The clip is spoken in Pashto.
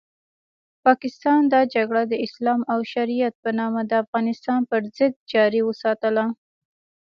پاکستان دا جګړه د اسلام او شریعت په نامه د افغانستان پرضد جاري وساتله.